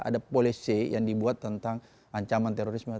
ada polisi yang dibuat tentang ancaman terorisme